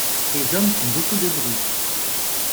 Les hommes font beaucoup de bruits.